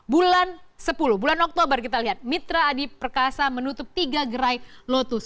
bulan sepuluh bulan oktober kita lihat mitra adi perkasa menutup tiga gerai lotus